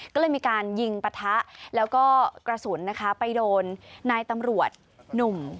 ก็เลยมีการยิงปะทะแล้วก็กระสุนนะคะไปโดนนายตำรวจหนุ่ม